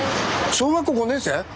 小学校５年生⁉